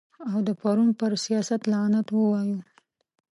او د پرون پر سیاست لعنت ووایو.